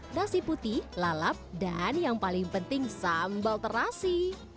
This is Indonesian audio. nasi putih lalap dan yang paling penting sambal terasi